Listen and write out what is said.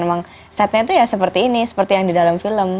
memang setnya itu ya seperti ini seperti yang di dalam film